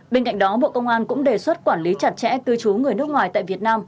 bên cạnh đó bộ công an cũng đề xuất quản lý chặt chẽ cư trú người nước ngoài tại việt nam